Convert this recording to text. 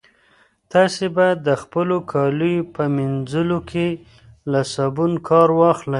تاسي باید د خپلو کاليو په مینځلو کې له صابون کار واخلئ.